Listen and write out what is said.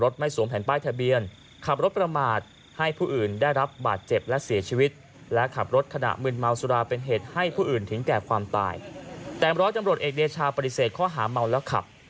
แต่ร้อยตำรวจเอกเดชาปฏิเสธข้อหาเมาแล้วขับ